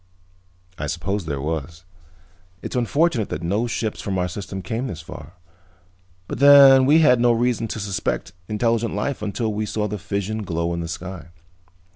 "I suppose there was. It's unfortunate that no ships from our system came this far, but then we had no reason to suspect intelligent life until we saw the fission glow in the sky."